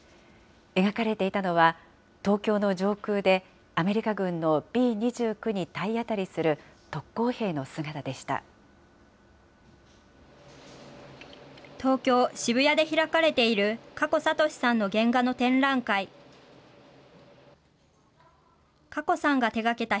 描かれていたのは、東京の上空でアメリカ軍のＢ２９に体当たりする特攻兵の姿でした。